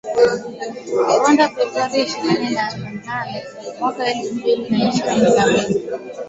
Rwanda Februari ishirini na nane mwaka elfu mbili na ishirini na mbili